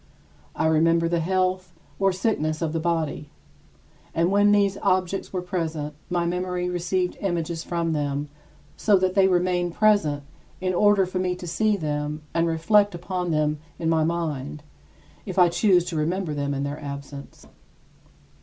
I remember the health or sickness of the body. And when these objects were present, my memory received images from them so that they remain present in order for me to see them and reflect upon them in my mind, if I choose to remember them in their absence.